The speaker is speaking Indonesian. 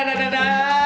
aduh aduh aduh